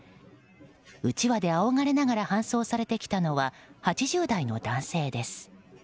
うちわであおがれながら搬送されてきたのは８０代の男性です。